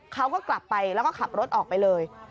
เขาก็กลับไปแล้วก็ขับรถออกไปเลย